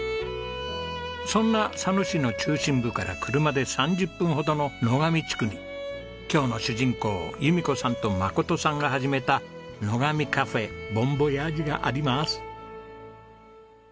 そんな佐野市の中心部から車で３０分ほどの野上地区に今日の主人公由美子さんと眞さんが始めた「野上カフェ母ん母親父」があります。